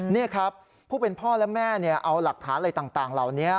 นี่ครับผู้เป็นพ่อและแม่เอาหลักฐานอะไรต่างเหล่านี้